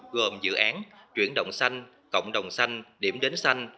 gồm dự án chuyển động xanh cộng đồng xanh điểm đến xanh